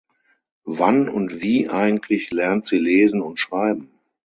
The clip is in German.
Wann und wie eigentlich lernt sie Lesen und Schreiben?